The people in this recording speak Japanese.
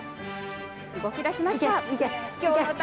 動きだしました。